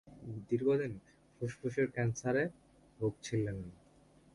দীর্ঘদিন ফুসফুসের ক্যান্সারে ভুগছিলেন।